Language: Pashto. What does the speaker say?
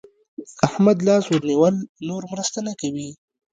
احمد لاس ور ونيول؛ نور مرسته نه کوي.